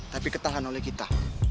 tapi ketahuan oleh kita